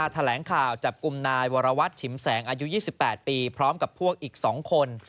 แถลงข่าวจับกลุ่มนายวรวัตรฉิมแสงอายุ๒๘ปีพร้อมกับพวกอีก๒คน